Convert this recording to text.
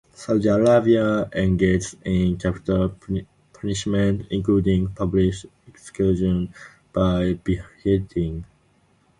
Saudi Arabia engages in capital punishment, including public executions by beheading.